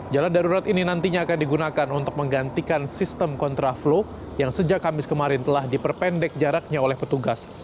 jalan darurat ini nantinya akan digunakan untuk menggantikan sistem kontraflow yang sejak kamis kemarin telah diperpendek jaraknya oleh petugas